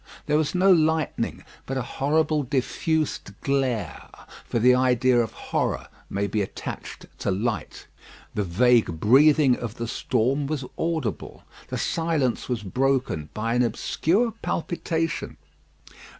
There was no lightning, but a horrible, diffused glare; for the idea of horror may be attached to light. The vague breathing of the storm was audible; the silence was broken by an obscure palpitation.